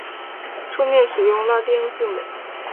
书面使用拉丁字母。